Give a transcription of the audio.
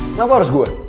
kenapa harus gue